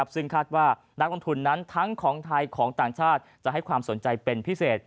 ซึ่งคาดว่านักลงทุนนั้นทั้งของไทยของต่างชาติจะให้ความสนใจเป็นพิเศษ